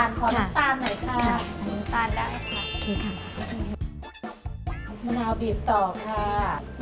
น้ำตาลได้ค่ะมะนาวบีบต่อค่ะ